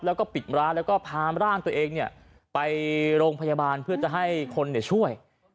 แล้วก็ปิดร้านแล้วก็พามร่างตัวเองไปโรงพยาบาลเพื่อจะให้คนช่วย